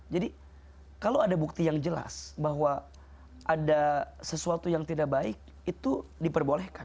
jadi kalau ada bukti yang jelas bahwa ada sesuatu yang tidak baik itu diperbolehkan